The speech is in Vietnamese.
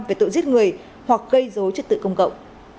về tội giết người hoặc gây dối trật tự công cộng